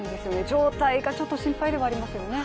状態がちょっと心配ではありますよね。